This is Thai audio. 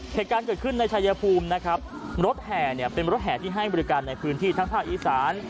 เหตุการณ์เกิดขึ้นในชายภูมินะครับรถแห่เนี่ยเป็นรถแห่ที่ให้บริการในพื้นที่ทั้งภาคอีสาน